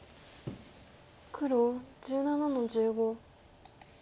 黒１７の十五。